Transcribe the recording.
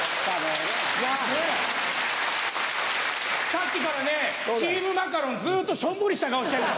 さっきからねチームマカロンずっとしょんぼりした顔してんだ。